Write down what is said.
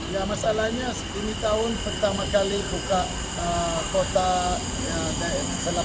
ya masalahnya ini tahun pertama kali buka kota d m selepas corona